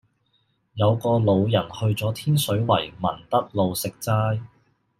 有個老人去左天水圍民德路食齋